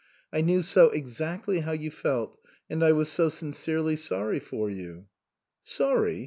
I knew so exactly how you felt, and I was so sincerely sorry for you." " Sorry